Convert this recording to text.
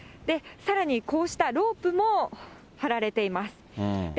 さらにこうしたロープも張られています。